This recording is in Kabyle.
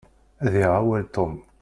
Ad yaɣ awal Tom.